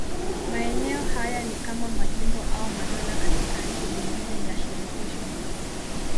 Maeneo haya ni kama majimbo au madola katika nchi nyingine ya shirikisho.